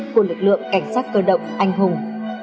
của lực lượng cảnh sát cơ động anh hùng